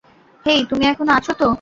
হেই, তুমি এখনো আছো তো?